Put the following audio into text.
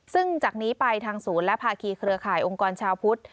ซึ่งจากนี้ไปทางศูนย์และภาคีเครือข่ายองค์กรชาวพุทธ